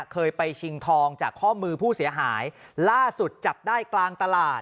เคยไปชิงทองจากข้อมือผู้เสียหายล่าสุดจับได้กลางตลาด